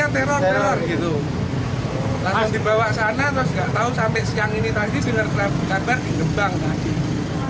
jadi sinar teror di kabar dikembang tadi